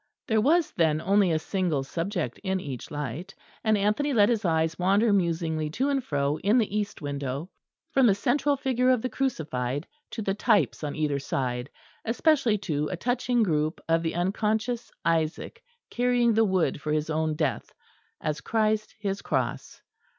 There was then only a single subject in each light; and Anthony let his eyes wander musingly to and fro in the east window from the central figure of the Crucified to the types on either side, especially to a touching group of the unconscious Isaac carrying the wood for his own death, as Christ His Cross.